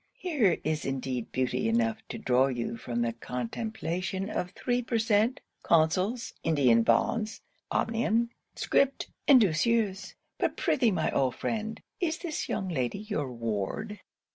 Here is indeed beauty enough to draw you from the contemplation of three per cent. consols, India bonds, omnium, scrip, and douceurs. But prithee, my old friend, is this young lady your ward?'